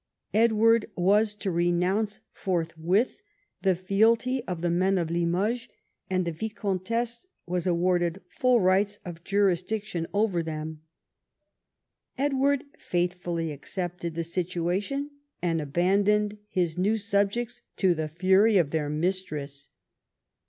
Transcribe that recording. Edward was to renounce forthwith the fealty of the men of Limoges, and the viscountess was awarded full rights of juris diction over them. Edward faithfully accepted the situation, and abandoned his new subjects to the fury of their mistress.